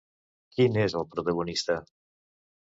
Qui n'és el protagonista?